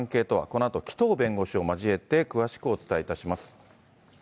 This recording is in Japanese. このあと紀藤弁護士を交えて、詳しくお伝えいたします。